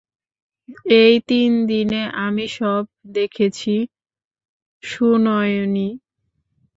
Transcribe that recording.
এই তিন দিনে আমি সব দেখেছি সুনয়নী।